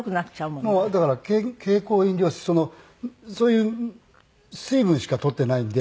もうだから経口飲料水そういう水分しか取ってないんで。